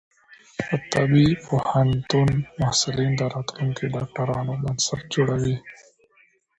د طبی پوهنتون محصلین د راتلونکي ډاکټرانو بنسټ جوړوي.